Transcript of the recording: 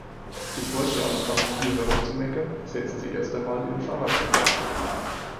Bevor Sie anfangen hier herumzumeckern, setzen Sie erst einmal Ihren Fahrradhelm auf.